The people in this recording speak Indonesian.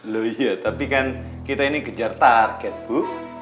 loh iya tapi kan kita ini kejar target bu